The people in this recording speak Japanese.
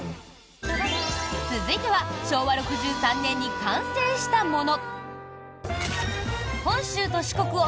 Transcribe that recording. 続いては昭和６３年に完成したもの！